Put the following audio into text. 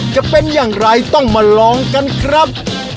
จะเป็นอย่างไรต้องมาลองกันครับ